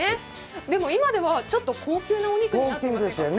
でも、今ではちょっと高級なお肉になってますよね。